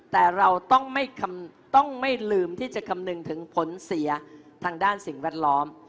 แต่เราต้องไม่ลืมที่จะคำนึงถึงผลเสียทางด้านสิ่งแวดล้อม